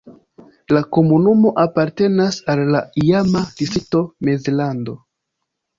La komunumo apartenas al la iama distrikto Mezlando.